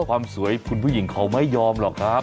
ความสวยคุณผู้หญิงเขาไม่ยอมหรอกครับ